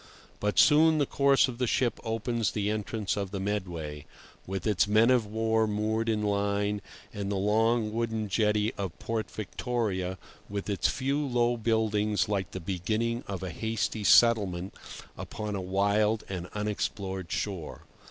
But soon the course of the ship opens the entrance of the Medway, with its men of war moored in line, and the long wooden jetty of Port Victoria, with its few low buildings like the beginning of a hasty settlement upon a wild and unexplored shore.